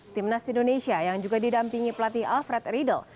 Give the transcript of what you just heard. timnas indonesia yang juga didampingi pelatih alfred riedel